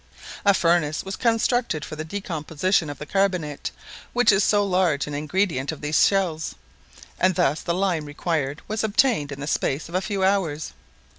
A furnace was constructed for the decomposition of the carbonate which is so large an ingredient of these shells, and thus the lime required was obtained in the space of a few hours.